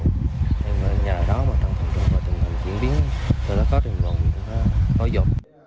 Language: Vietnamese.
nên là nhà đó mà trong thời gian qua tình hình diễn biến tình hình hoạt động có dụng